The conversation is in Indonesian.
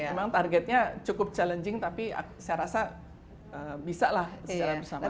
memang targetnya cukup challenging tapi saya rasa bisa lah secara bersama sama